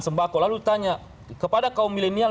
sembako lalu ditanya kepada kaum milenial